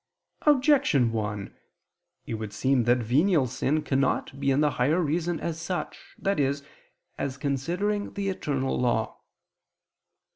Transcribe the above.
Objection 1: It would seem that venial sin cannot be in the higher reason as such, i.e. as considering the eternal law.